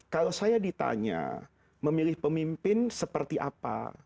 kalau saya ditanya memilih pemimpin seperti apa